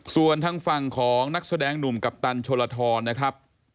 ส่วนทางฝั่งของนักแสดงหนุ่มกัปตันโชลทรนะครับ